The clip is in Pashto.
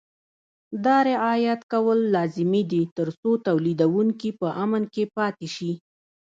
دا رعایت کول لازمي دي ترڅو تولیدوونکي په امن کې پاتې شي.